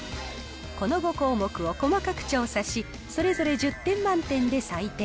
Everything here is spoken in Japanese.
この５項目を細かく調査し、それぞれ１０点満点で採点。